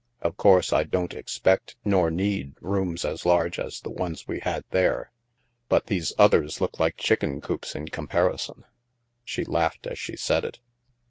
Of course I don't expect, nor need, rooms as large as the ones we had there; but these others look like chicken coops in com parison." She laughed as she said it.